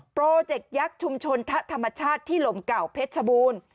โปรเจกต์ยักษ์ชุมชนทะธรรมชาติที่หลมเก่าเพชรชบูรณ์